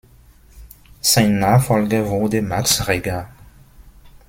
Sein Nachfolger wurde Max Reger.